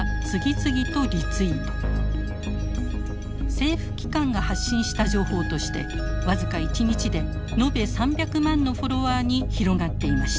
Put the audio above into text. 政府機関が発信した情報として僅か１日で延べ３００万のフォロワーに広がっていました。